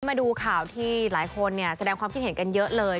มาดูข่าวที่หลายคนแสดงความคิดเห็นกันเยอะเลย